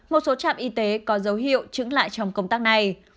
một số trạm y tế có dấu hiệu trứng lại trong công tác này